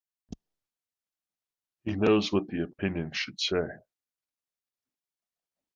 He knows what the opinion should say.